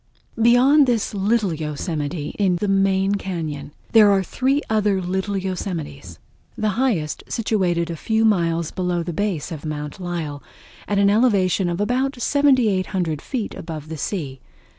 Beyond this Little Yosemite in the main cañon, there are three other little yosemites, the highest situated a few miles below the base of Mount Lyell, at an elevation of about 7800 feet above the sea.